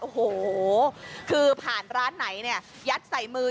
โอ้โหคือผ่านร้านไหนเนี่ย